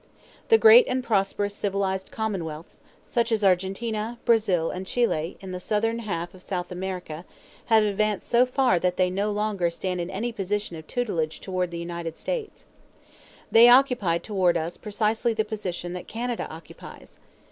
The great and prosperous civilized commonwealths, such as the Argentine, Brazil, and Chile, in the Southern half of South America, have advanced so far that they no longer stand in any position of tutelage toward the United States. They occupy toward us precisely the position that Canada occupies.